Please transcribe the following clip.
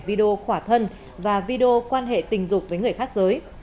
video khỏa thân và video quan hệ tình dục với người khác giới